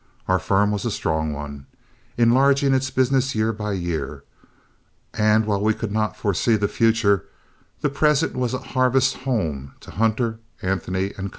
Our firm was a strong one, enlarging its business year by year; and while we could not foresee the future, the present was a Harvest Home to Hunter, Anthony & Co.